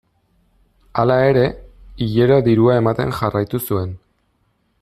Hala ere, hilero dirua ematen jarraitu zuen.